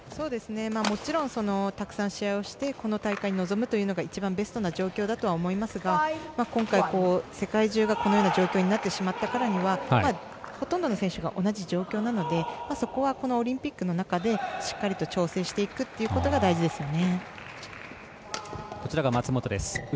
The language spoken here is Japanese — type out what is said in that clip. もちろんたくさん試合をしてこの大会に臨むのがベストな状況だと思いますが、今回世界中が、このような状況になってしまったからにはほとんどの選手が同じ状況なのでオリンピックの中でしっかりと調整していくことが大事ですよね。